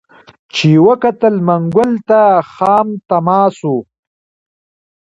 چي یې وکتل منګول ته خامتما سو